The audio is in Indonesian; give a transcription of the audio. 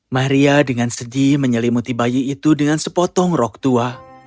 maria dengan sedih menyelimuti bayi itu dengan sepotong rok tua